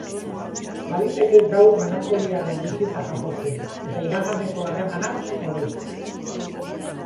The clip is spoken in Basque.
Baliteke gaur melankoliaren bisita jasotzea, eta iraganeko harremanak oroitzea.